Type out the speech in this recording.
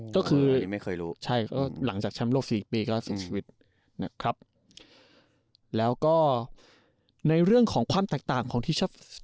ก็คือไม่เคยรู้ใช่ก็หลังจากแชมป์โลกสี่ปีก็เสียชีวิตนะครับแล้วก็ในเรื่องของความแตกต่างของทีมชาติ